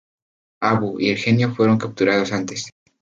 Abu y el genio fueron capturados antes.